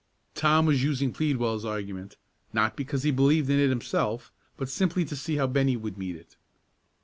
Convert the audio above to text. Tom was using Pleadwell's argument, not because he believed in it himself, but simply to see how Bennie would meet it.